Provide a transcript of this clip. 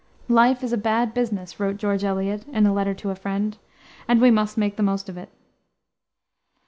"Life is a bad business," wrote George Eliot, in a letter to a friend, "and we must make the most of it."